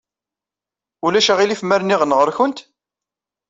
Ulac aɣilif ma rniɣ-n ɣer-went?